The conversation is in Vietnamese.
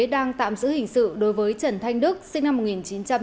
đang tạm giữ hình sự đối với trần thanh đức sinh năm một nghìn chín trăm chín mươi bảy